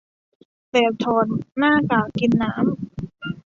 แบบถอดหน้ากากกินน้ำ